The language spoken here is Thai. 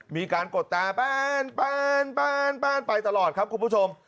มีการกดตาป้านป้านป้านไปตลอดครับคุณผู้ชม